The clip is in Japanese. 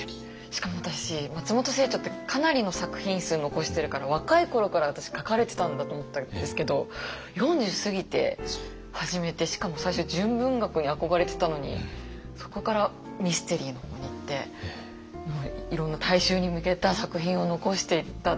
しかも私松本清張ってかなりの作品数残してるから若い頃から私書かれてたんだと思ったんですけど４０過ぎて始めてしかも最初純文学に憧れてたのにそこからミステリーの方にいっていろんな大衆に向けた作品を残していった。